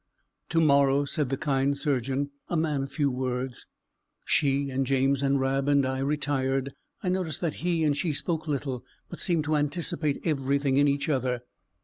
"To morrow," said the kind surgeon a man of few words. She and James and Rab and I retired. I noticed that he and she spoke little, but seemed to anticipate everything in each other.